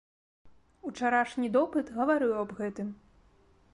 Учарашні допыт гаварыў аб гэтым.